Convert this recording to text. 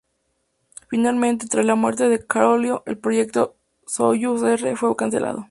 Finalmente, tras la muerte de Koroliov, el proyecto de Soyuz R fue cancelado.